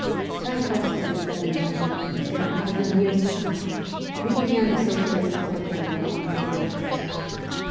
Tchaykovsky was then in London, and, as in years past, we began a socialist propaganda amongst the workers.